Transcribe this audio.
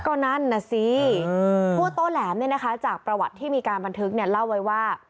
ก็นั่นน่ะสิทั่วโต้แหลมเนี่ยนะคะจากประวัติที่มีการบันทึกเนี่ยเล่าไว้ว่า